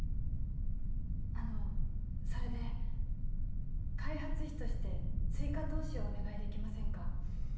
あのそれで開発費として追加投資をお願いできませんか？